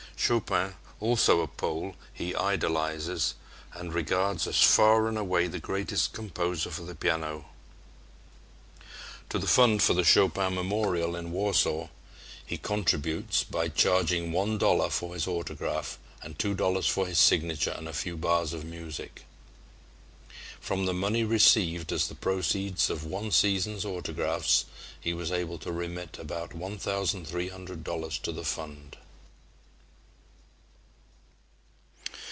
Chopin, also a Pole, he idolizes and regards as far and away the greatest composer for the piano. To the fund for the Chopin memorial at Warsaw he contributes by charging one dollar for his autograph, and two dollars for his signature and a few bars of music. From the money received as the proceeds of one season's autographs he was able to remit about $1,300 to the fund.